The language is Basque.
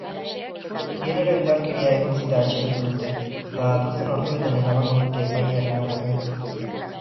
Genero-indarkeria egotzita atxilotu dute, eta datozen orduetan eramango dute epailearen aurrera.